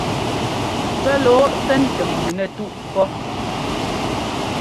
Pɛ́ lɔɔ ɛ́sɛ́ntɛ mbʉʉ nɛtúꞌ pɔ́.